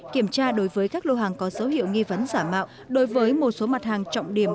kiểm tra đối với các lô hàng có dấu hiệu nghi vấn xả mạo đối với một số mặt hàng trọng điểm